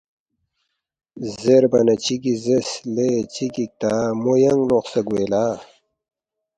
زیربا نہ چِگی زیرس، ”لے چِہ گِک تا مو ینگ لوقسے گوے لا